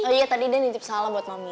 oh iya tadi dia nitip salam buat mami